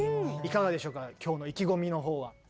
いかがでしょうか今日の意気込みの方は？